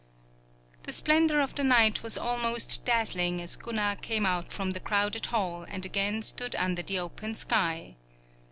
The splendor of the night was almost dazzling as Gunnar came out from the crowded hall and again stood under the open sky.